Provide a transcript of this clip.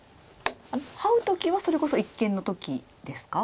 ハウ時はそれこそ一間の時ですか？